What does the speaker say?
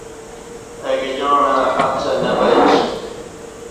اہ گجاعں اہ څہ نہ بیی سوم